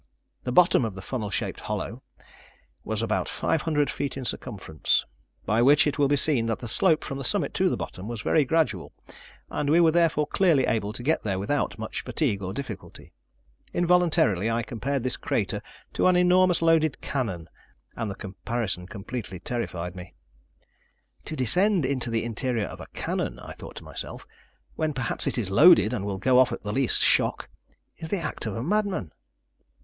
The bottom of the funnel shaped hollow was about five hundred feet in circumference, by which it will be seen that the slope from the summit to the bottom was very gradual, and we were therefore clearly able to get there without much fatigue or difficulty. Involuntarily, I compared this crater to an enormous loaded cannon; and the comparison completely terrified me. "To descend into the interior of a cannon," I thought to myself, "when perhaps it is loaded, and will go off at the least shock, is the act of a madman."